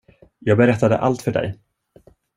Jag berättade allt för dig.